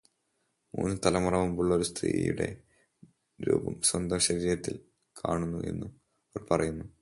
മൂന്നു തലമുറ മുൻപുള്ള ഒരു സ്ത്രീയുടെ രൂപം സ്വന്തം ശരീരത്തിൽ കാണുന്നു എന്നും അവർ പറയുന്നു.